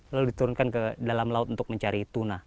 lalu diturunkan ke dalam laut untuk mencari tuna